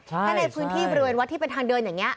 ถ้าในพื้นที่บริเวณวัดที่เป็นทางเดินอย่างนี้